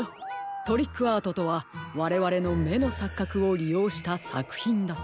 トリックアートとはわれわれのめのさっかくをりようしたさくひんだと。